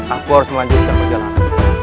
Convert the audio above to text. aku harus melanjutkan perjalanan